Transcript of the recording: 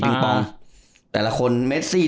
ก็ยังขำเลยอะ